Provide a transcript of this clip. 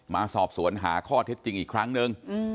มาสอบสวนหาข้อเท็จจริงอีกครั้งนึง